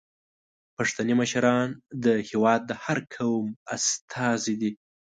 پښتني مشران د هیواد د هر قوم استازي دي.